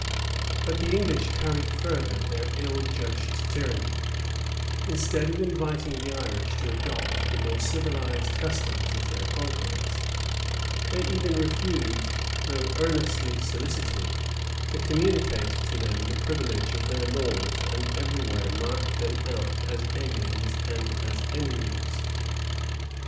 But the English carried further their ill judged tyranny, instead of inviting the Irish to adopt the more civilized customs of their conquerors, they even refused, though earnestly solicited, to communicate to them the privilege of their laws and every where marked them out as aliens and as enemies.